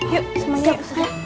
yuk semangat ya ustazah